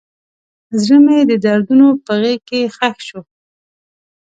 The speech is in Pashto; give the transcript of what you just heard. زړه مې د دردونو په غیږ کې ښخ شو.